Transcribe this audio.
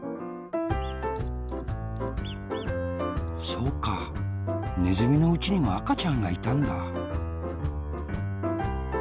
そうかねずみのおうちにもあかちゃんがいたんだ。